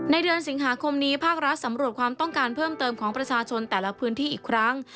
เดือนสิงหาคมนี้ภาครัฐสำรวจความต้องการเพิ่มเติมของประชาชนแต่ละพื้นที่อีกครั้ง